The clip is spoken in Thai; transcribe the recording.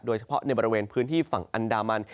โดยเฉพาะในบริเวณพื้นที่ฝั่งอันดามัน